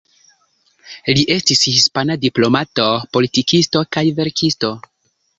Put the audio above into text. Li estis hispana diplomato, politikisto kaj verkisto.